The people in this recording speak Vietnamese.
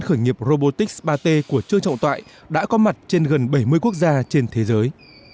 khởi nghiệp robotics ba t của trương trọng tại đã có mặt trên gần bảy mươi quốc gia trên thế giới